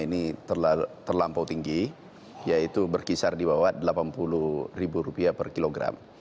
ini terlampau tinggi yaitu berkisar di bawah delapan puluh ribu rupiah per kilogram